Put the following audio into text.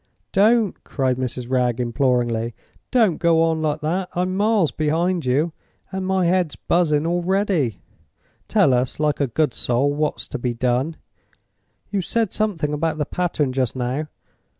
"Don't!" cried Mrs. Wragge, imploringly. "Don't go on like that! I'm miles behind you; and my head's Buzzing already. Tell us, like a good soul, what's to be done. You said something about the pattern just now.